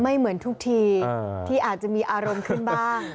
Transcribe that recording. เหมือนทุกทีที่อาจจะมีอารมณ์ขึ้นบ้าง